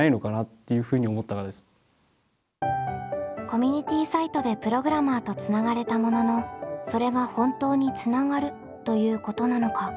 コミュニティサイトでプログラマーとつながれたもののそれが本当につながるということなのか。